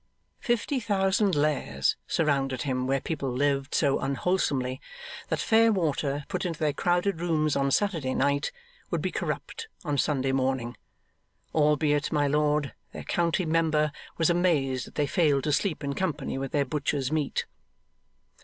Fifty thousand lairs surrounded him where people lived so unwholesomely that fair water put into their crowded rooms on Saturday night, would be corrupt on Sunday morning; albeit my lord, their county member, was amazed that they failed to sleep in company with their butcher's meat.